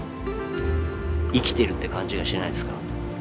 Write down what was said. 生きてるって感じがしないっすか？